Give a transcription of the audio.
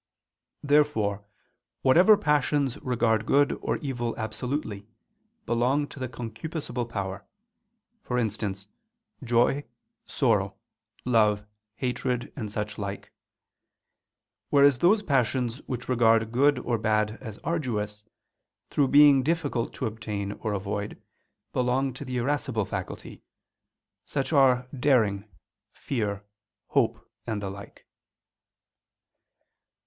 Therefore whatever passions regard good or evil absolutely, belong to the concupiscible power; for instance, joy, sorrow, love, hatred, and such like: whereas those passions which regard good or bad as arduous, through being difficult to obtain or avoid, belong to the irascible faculty; such are daring, fear, hope and the like.